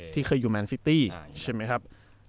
ที่เคยอยู่แมนซิตี้ใช่ไหมครับ